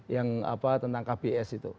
yang tentang kps itu